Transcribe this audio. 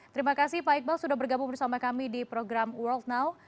terima kasih pak iqbal sudah bergabung bersama kami di program world now